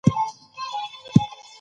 د خوب پر مهال دروند شور مه کوئ.